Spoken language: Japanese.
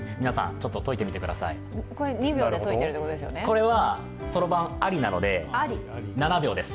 これはそろばんありなので、７秒です。